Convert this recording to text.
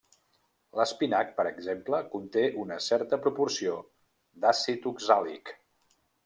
L'espinac, per exemple, conté una certa proporció d'àcid oxàlic.